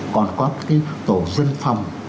còn có cái tổ dân phòng